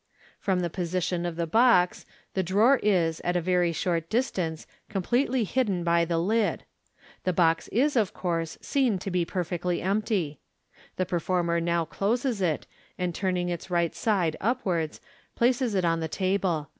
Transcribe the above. From the position of the box, the drawer is, at a very short distance, completely hidden by the FlG 2l8 lid. The box is, of course, seen to be perfectly empty. The performer now closes it, and turning its right side upwards, places it on the table.